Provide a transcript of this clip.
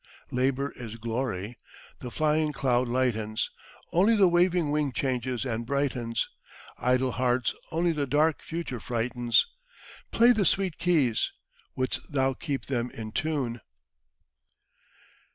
"Labour is glory! the flying cloud lightens; Only the waving wing changes and brightens; Idle hearts only the dark future frightens; Play the sweet keys, wouldst thou keep them in tune."